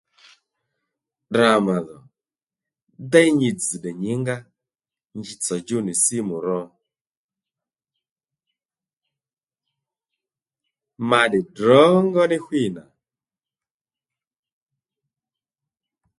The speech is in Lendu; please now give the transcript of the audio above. Tdra mà dhò déy nyi dzì tdè nyǐngá njitsò djú nì simu ro ma tdè ddrǒngó ní ɦwî nà